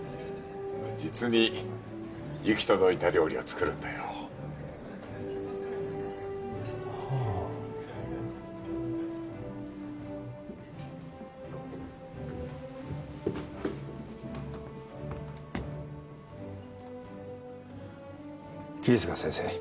実に行き届いた料理を作るんだよはあ桐塚先生